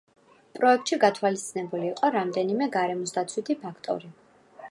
პროექტში გათვალისწინებული იყო რამდენიმე გარემოსდაცვითი ფაქტორი.